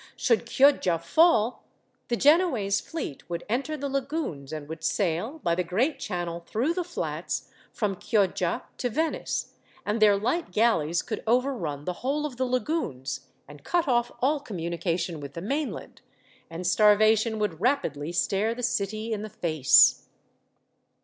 Should Chioggia fall, the Genoese fleet would enter the lagoons, and would sail, by the great channel through the flats, from Chioggia to Venice; and their light galleys could overrun the whole of the lagoons, and cut off all communication with the mainland, and starvation would rapidly stare the city in the face.